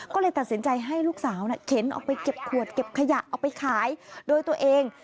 ก็เลยตัดสินใจให้ลูกสาวเข็นออกไปเก็บขวดเก็บขยะเอาไปขายโดยตัวเอง